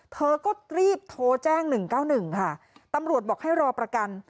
เธอก็รีบโทรแจ้ง๑๙๑ค่ะตำรวจบอกให้รอประกัน